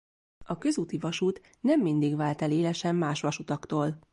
A közúti vasút nem mindig vált el élesen más vasutaktól.